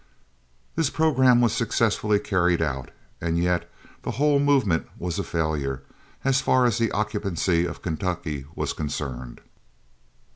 This programme was successfully carried out, and yet the whole movement was a failure, as far as the occupancy of Kentucky was concerned.